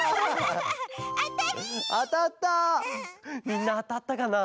みんなあたったかな？